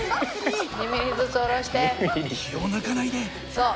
そう。